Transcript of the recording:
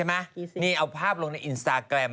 พี่ปุ้ยลูกโตแล้ว